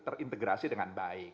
terintegrasi dengan baik